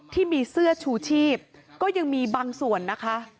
ที่มีเสื้อชูชีพก็ยังมีบางส่วนนะคะ